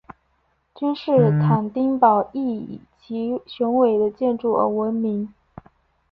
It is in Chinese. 君士坦丁堡亦以其宏伟的建筑而闻名。